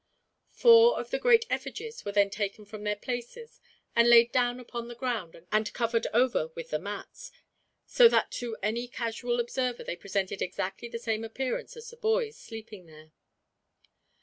Four of the great effigies were then taken from their places, and laid down upon the ground and covered over with the mats, so that to any casual observer they presented exactly the same appearance as the boys, sleeping there.